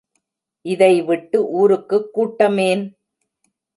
இதைவிட்டு ஊருக்குக் கூட்டம் ஏன்?